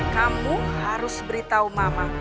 kamu harus beritahu mama